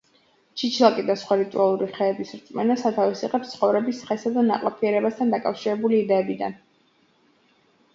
ჩიჩილაკი და სხვა რიტუალური ხეების რწმენა სათავეს იღებს ცხოვრების ხესა და ნაყოფიერებასთან დაკავშირებული იდეებიდან.